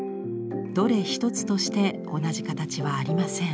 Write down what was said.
どれ一つとして同じ形はありません。